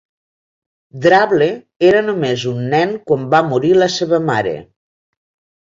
Drabble era només un nen quan va morir la seva mare.